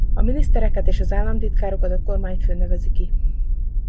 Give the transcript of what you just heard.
A minisztereket és az államtitkárokat a kormányfő nevezi ki.